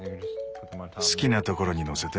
好きなところにのせて。